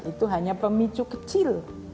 itu hanya pemicu kecil